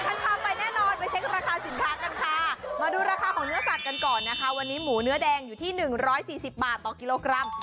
พาไปแน่นอนไปเช็คราคาสินค้ากันค่ะมาดูราคาของเนื้อสัตว์กันก่อนนะคะวันนี้หมูเนื้อแดงอยู่ที่๑๔๐บาทต่อกิโลกรัม